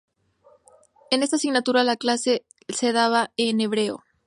En esta asignatura las clases se daban en hebreo.